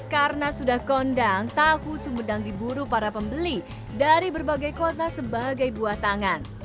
karena sudah kondang tahu sumedang diburu para pembeli dari berbagai kota sebagai buatangan